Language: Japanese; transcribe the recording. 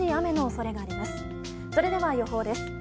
それでは予報です。